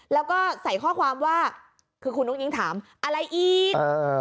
แล้วก็ใส่ข้อความว่าคือคุณอุ้งอิงถามอะไรอีก